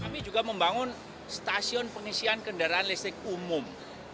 kami juga membangun stasiun pengisian kendaraan listrik umum